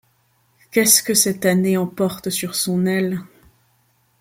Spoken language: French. Qu'est-ce que cette année emporte sur son aile ?